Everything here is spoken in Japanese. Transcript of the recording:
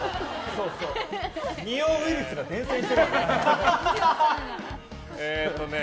二葉ウイルスが伝染している。